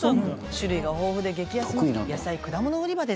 種類が豊富で激安の野菜果物売り場です。